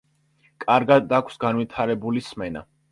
კარგად აქვს განვითარებული სმენა.